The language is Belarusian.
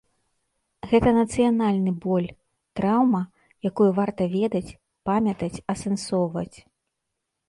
Гэта нацыянальны боль, траўма, якую варта ведаць, памятаць, асэнсоўваць.